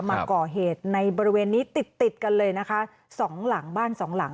มาก่อเหตุในบริเวณนี้ติดติดกันเลยนะคะสองหลังบ้านสองหลัง